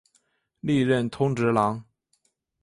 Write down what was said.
历任通直郎。